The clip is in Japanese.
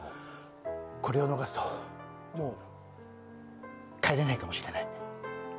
これを逃すともう帰れないかもしれない。